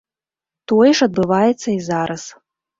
Тое ж адбываецца і зараз.